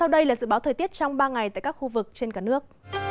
dự báo thời tiết trong ba ngày tại các khu vực trên cả nước